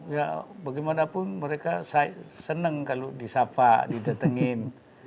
ya bagaimanapun mereka senang kalau disafa didatengin